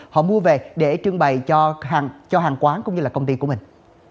họ mua về để trưng bày cho hàng quán cũng như là công ty của mình